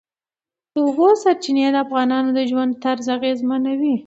د اوبو سرچینې د افغانانو د ژوند طرز اغېزمنوي.